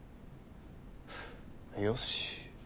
よし！